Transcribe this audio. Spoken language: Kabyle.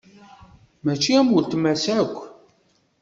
Mačči am uletma-s akk.